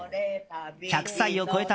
１００歳を超えた